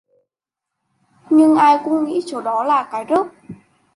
Nhưng ai cũng nghĩ chỗ đó là cái rớp